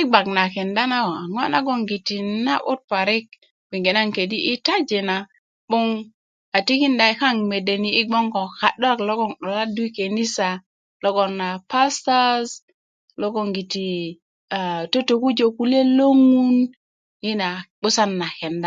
i gbak na kenda na a ŋo' nagongiti na'but parik gbege naŋ 'nkedi i taji na 'böŋ a tikinda yi' kaŋ mede ni yi gboŋ ko ka'dolak logon 'doladu i kenisa logon a pastas logongiti totokujö kulyet lo ŋun yi na 'busan na kenda na